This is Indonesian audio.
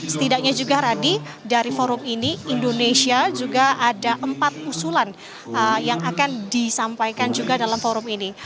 setidaknya juga radi dari forum ini indonesia juga ada empat usulan yang akan disampaikan juga dalam forum ini